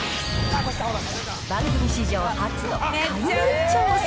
番組史上初の海外調査。